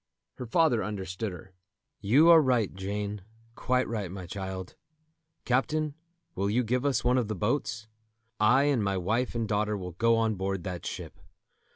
Her father understood her. "You are right, Jane, quite right, my child. Captain, will you give us one of the boats? I and my wife and daughter will go on board that ship.